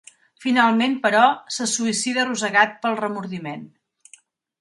Finalment, però, se suïcida rosegat pel remordiment.